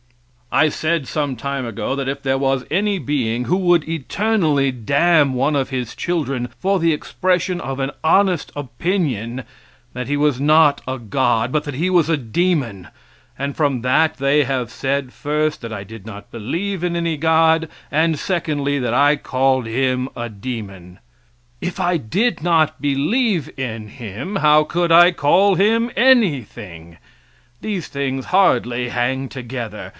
I said some time ago that if there was any being who would eternally damn one of his children for the expression of an honest opinion that he was not a God, but that he was a demon; and from that they have said first, that I did not believe in any God, and, secondly, that I called Him a demon. If I did not believe in Him how could I call Him anything? These things hardly hang together.